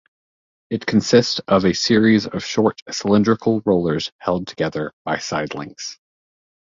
It consists of a series of short cylindrical rollers held together by side links.